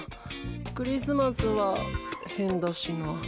クリスマスはヘンだしな。